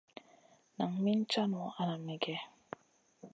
Nan min caŋu ala migè?